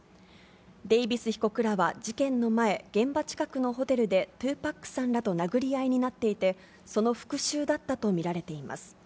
デイビス被告らは事件の前、現場近くのホテルで２パックさんらと殴り合いになっていて、その復しゅうだったと見られています。